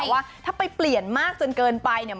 แต่ว่าถ้าไปเปลี่ยนมากจนเกินไปเนี่ย